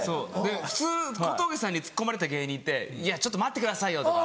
普通小峠さんにツッコまれた芸人って「いやちょっと待ってくださいよ」とか。